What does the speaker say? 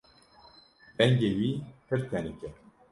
Dengê wî pir tenik e.